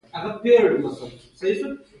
او خپل خراب سرنوشت په وړاندې ودرېږي.